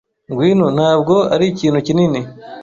Ngwino, ntabwo arikintu kinini.